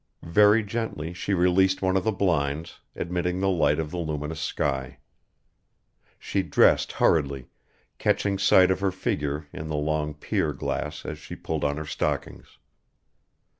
Very gently she released one of the blinds, admitting the light of the luminous sky. She dressed hurriedly, catching sight of her figure in the long pier glass as she pulled on her stockings.